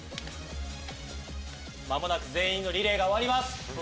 間もなく全員のリレーが終わります。